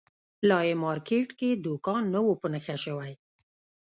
لا یې مارکېټ کې دوکان نه وو په نښه شوی.